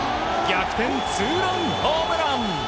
逆転ツーランホームラン！